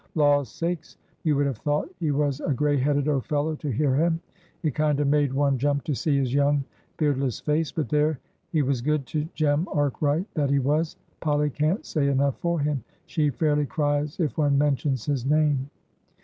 Laws' sakes, you would have thought he was a grey headed old fellow to hear him; it kind of made one jump to see his young, beardless face; but there, he was good to Jem Arkwright, that he was. Polly can't say enough for him. She fairly cries if one mentions his name.